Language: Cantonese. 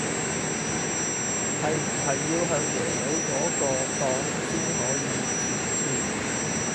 係唔係要向耶魯嗰個檔先可以設置